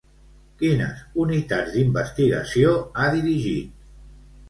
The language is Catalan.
Quines unitats d'investigació ha dirigit?